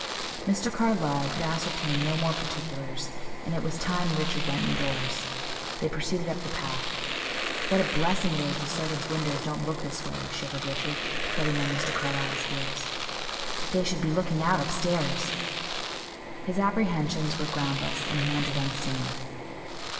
Mr. Carlyle could ascertain no more particulars, and it was time Richard went indoors. They proceeded up the path. "What a blessing it is the servants' windows don't look this way," shivered Richard, treading on Mr. Carlyle's heels. "If they should be looking out upstairs!" His apprehensions were groundless, and he entered unseen.